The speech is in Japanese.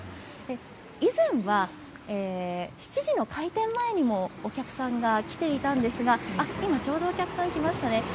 以前は、７時の開店前にもお客さんが来ていたんですが、今、ちょうどお客さん来ましたね。